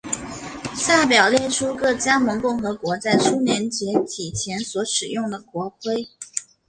下表列出各加盟共和国在苏联解体前所使用的国徽。